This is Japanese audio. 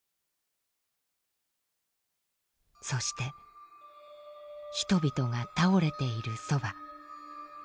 そして人々が倒れているそば。